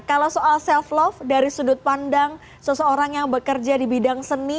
kalau soal self love dari sudut pandang seseorang yang bekerja di bidang seni